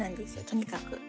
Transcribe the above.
とにかく。